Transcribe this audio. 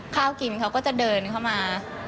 ข้าวกินเขาก็จะเดินเข้ามา